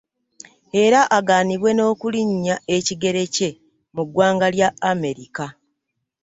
Era agaanibwe n'okulinnya ekigere kye mu ggwanga lya Amerika.